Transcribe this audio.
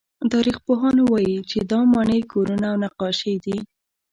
تاریخپوهان وایي چې دا ماڼۍ، کورونه او نقاشۍ دي.